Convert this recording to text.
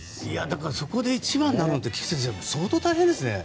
そこで一番になるのって相当大変ですね。